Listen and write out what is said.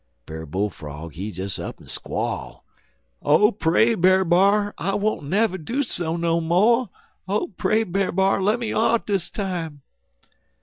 Brer Bull frog he des up'n squall: "'Oh, pray, Brer B'ar! I won't never do so no mo'! Oh, pray, Brer B'ar! Lemme off dis time!'